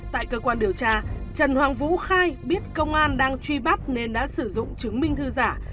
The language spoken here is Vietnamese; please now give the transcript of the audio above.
tại cơ quan điều tra trần hoàng vũ khai biết công an đang truy bắt nên đã sử dụng chứng minh thư giả